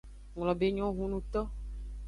Nglobe enyo hunnuto.